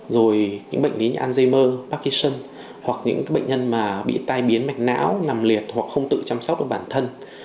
rồi những bệnh lý như alzheimer pacison hoặc những bệnh nhân mà bị tai biến mạch não nằm liệt hoặc không tự chăm sóc được bản thân